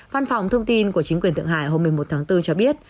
văn phòng thông tin của chính quyền thượng hải hôm một mươi một tháng bốn cho biết